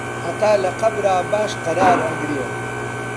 هەتا لە قەبرا باش قەرار ئەگرێ